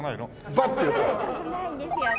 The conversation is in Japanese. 輪作る人じゃないんですよね。